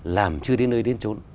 làm chưa đến nơi đến chỗ